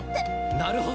なるほど。